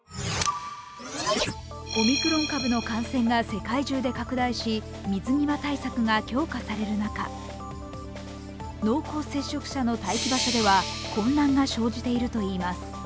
オミクロン株の感染が世界中で拡大し、水際対策が強化される中濃厚接触者の待機場所では混乱が生じているといいます。